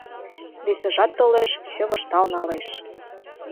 Весыжат толеш — чывыштал налеш.